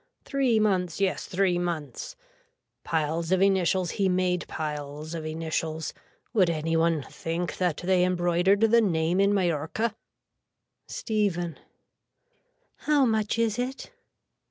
Three months yes three months. Piles of initials he made piles of initials. Would any one think that they embroidered the name in Mallorca. (Stephen.) How much is it.